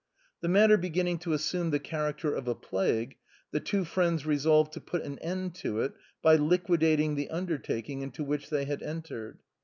The matter beginning to assume the character of a plague, the two friends resolved to put an end to it by liquidating the undertaking into which they had entered.